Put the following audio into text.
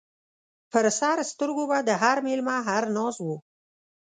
پر سر سترګو به د هر مېلمه هر ناز و